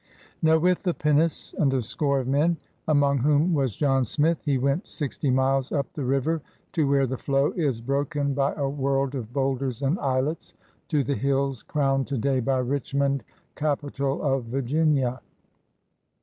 Now, with the pinnace and a score of men, among whom was John Smith, he went sixty miles up the river to where the flow is broken by a world of boulders and islets, to the hills crowned today by Richmond, capital of Virginia.